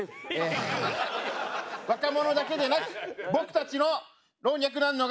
若者だけでなく。